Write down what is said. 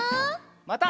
また。